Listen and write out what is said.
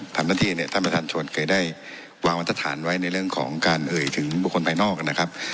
ทำหน้าที่เนี่ยท่านประธานชวนเคยได้วางบรรทฐานไว้ในเรื่องของการเอ่ยถึงบุคคลภายนอกนะครับ